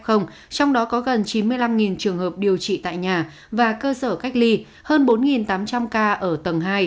trong đó có gần chín mươi năm trường hợp điều trị tại nhà và cơ sở cách ly hơn bốn tám trăm linh ca ở tầng hai